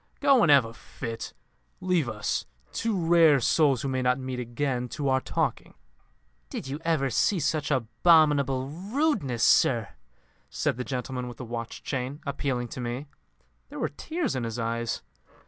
Go and have a fit. Leave us two rare souls who may not meet again to our talking." "Did you ever see such abominable rudeness, sir?" said the gentleman with the watch chain, appealing to me. There were tears in his eyes.